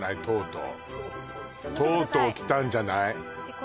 とうとうきたんじゃない？